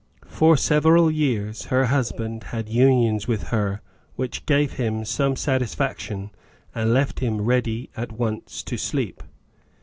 For several years her husband had unions with her which gave him some satisfaction and left him ready at ^once t^ sTe'p.